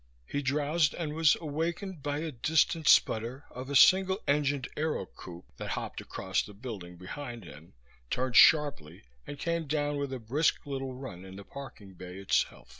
He drowsed and was awakened by a distant sputter of a single engined Aerocoupe that hopped across the building behind him, turned sharply and came down with a brisk little run in the parking bay itself.